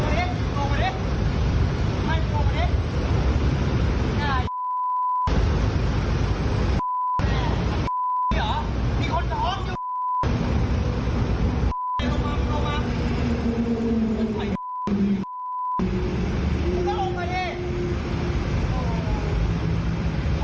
เนี้ยโห้มาพวกเราไหนมันกำลังใส่เพนย์